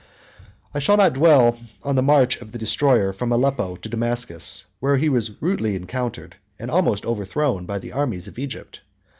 I shall not dwell on the march of the destroyer from Aleppo to Damascus, where he was rudely encountered, and almost overthrown, by the armies of Egypt.